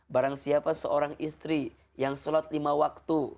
barangsiapa seorang istri yang shalat lima waktu